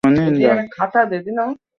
ট্রাকে নিশানা কর!